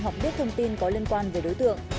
hoặc biết thông tin có liên quan về đối tượng